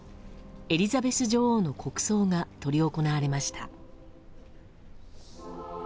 エリザベス女王の国葬が執り行われました。